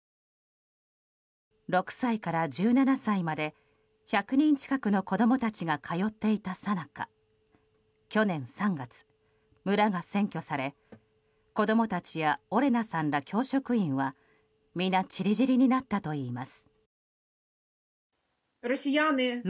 ６歳から１７歳まで１００人近くの子供たちが通っていたさなか去年３月、村が占拠され子供たちやオレナさんら教職員は皆、散り散りになったといいます。